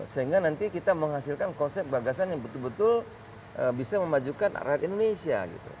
sehingga nanti kita menghasilkan konsep bagasan yang betul betul bisa memajukan rakyat indonesia